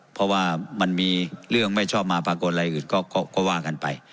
เพราะว่ามันมีเรื่องไม่ชอบมาปรากฏอะไรอื่นก็ว่ากันไป